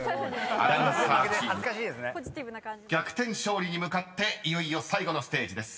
［アナウンサーチーム逆転勝利に向かっていよいよ最後のステージです。